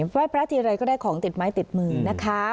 ไหว้พระทีไรก็ได้ของติดไม้ติดมือนะคะ